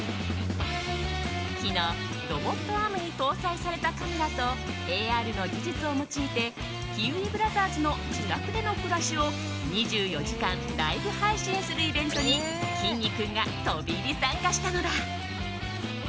昨日、ロボットアームに搭載されたカメラとＡＲの技術を用いてキウイブラザーズの自宅での暮らしを２４時間ライブ配信するイベントにきんに君が飛び入り参加したのだ。